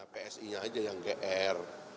psi nya aja yang gr